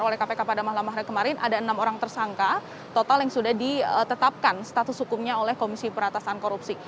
oleh kpk pada malam hari kemarin ada enam orang tersangka total yang sudah ditetapkan status hukumnya oleh komisi peratasan korupsi